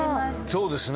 そうですね。